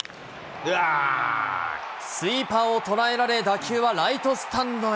スイーパーを捉えられ、打球はライトスタンドへ。